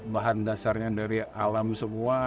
bahan dasarnya dari alam semua